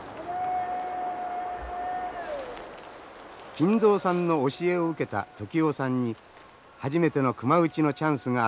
金蔵さんの教えを受けた時男さんに初めての熊撃ちのチャンスが与えられました。